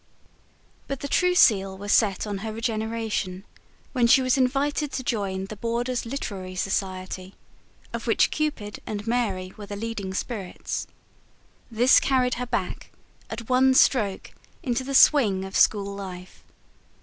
But the true seal was set on her regeneration when she was invited to join the boarders' Literary Society; of which Cupid and Mary were the leading spirits. This carried her back, at one stroke, into the swing of school life.